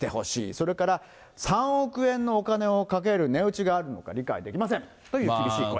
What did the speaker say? それから、３億円のお金をかける値打ちがあるのか理解できませんという厳しい声。